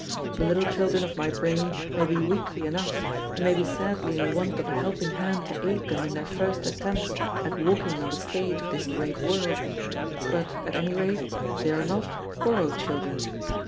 The little children of my brain may be weakly enough, and may be sadly in want of a helping hand to aid them in their first attempts at walking on the stage of this great world; but, at any rate, they are not borrowed children.